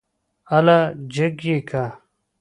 اله جګ يې که.